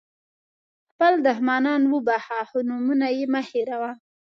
خپل دښمنان وبخښه خو نومونه یې مه هېروه.